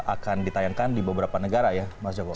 akan ditayangkan di beberapa negara ya mas joko